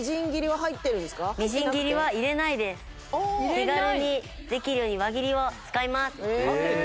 手軽にできるように輪切りを使います。